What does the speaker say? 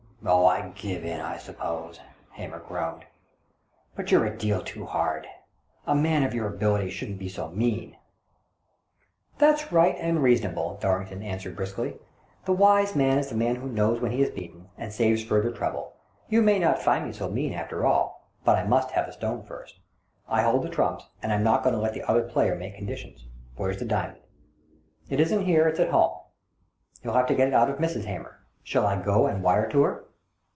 " Oh, I give in, I suppose," Hamer groaned. "But you're a deal too hard. A man of your abilities shouldn't be so mean." " That's right and reasonable," Dorrington answered briskly. " The wise man is the man who knows when he is beaten, and saves further trouble. You may not find me so mean after all, but I must have the stone first. I hold the CASE OF THE '^ MIBEOR OF POETUGAL'' 141 trumps, and I'm not going to let the other player make conditions. Where's the diamond ?" "It isn't here — it's at home. You'll have to get it out of Mrs. Hamer. Shall I go and wire to her?"